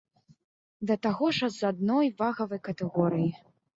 Да таго ж з адной вагавай катэгорыі.